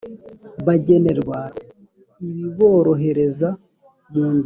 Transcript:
bagenerwa ibiborohereza mu ngendo no mu